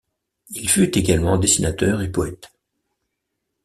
Il fut également dessinateur et poète.